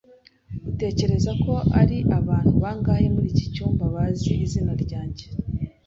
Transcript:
Utekereza ko ari abantu bangahe muri iki cyumba bazi izina ryanjye?